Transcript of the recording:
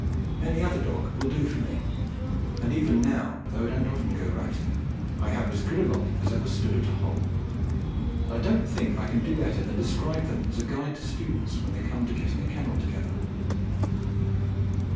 Any other dog will do for me, and even now, though I don't often go ratting, I have as good a lot as ever stood at a hole, and I don't think I can do better than describe them as a guide to students when they come to getting a kennel together.